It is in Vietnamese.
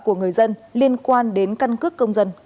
của người dân liên quan đến căn cước công dân gắn chip